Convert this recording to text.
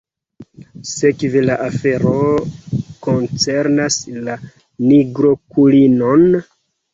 Sekve la afero koncernas la nigrokulinon?